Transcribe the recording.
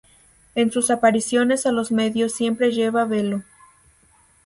En sus apariciones a los medios siempre lleva velo.